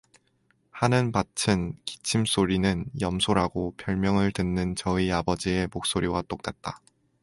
하는 밭은 기침 소리는 염소라고 별명을 듣는 저의 아버지의 목소리와 똑같다.